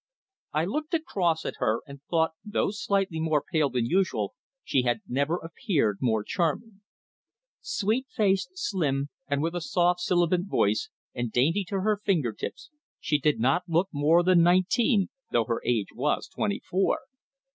I looked across at her and thought, though slightly more pale than usual, she had never appeared more charming. Sweet faced, slim, with a soft, sibilant voice, and dainty to her finger tips, she did not look more than nineteen, though her age was twenty four.